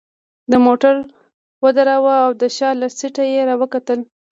ده موټر ودراوه او د شا له سیټه يې راوکتل.